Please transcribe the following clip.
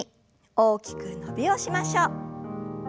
大きく伸びをしましょう。